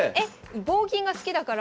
棒銀が好きだから。